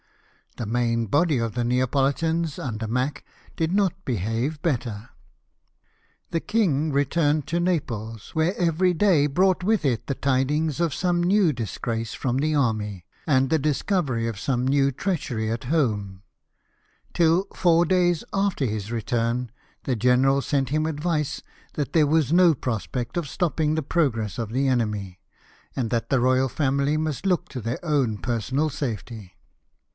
The main body of the Neapolitans, under Mack, did not behave better. The king returned to Naples, where every day brought with it the tidings of some new disgrace from the army, and the discovery of some new treachery at home ; till, four days after his return, the general sent him advice that there was no prospect of stopping the progress of the enemy, and that the royal family must look to their own personal safety.